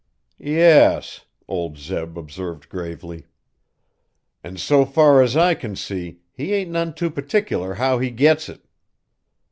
"Yes," old Zeb observed gravely, "an' so fur as I can see, he ain't none too perticular how he gets it."